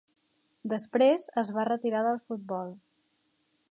Després, es va retirar del futbol.